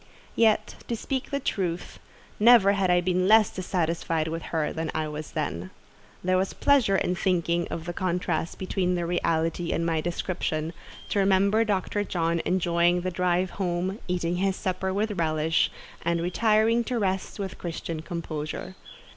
Yet, to speak the truth, never had I been less dissatisfied with her than I was then. There was pleasure in thinking of the contrast between the reality and my description—to remember Dr. John enjoying the drive home, eating his supper with relish, and retiring to rest with Christian composure.